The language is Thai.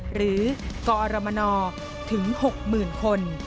หรือกอรมนถึง๖หมื่นคน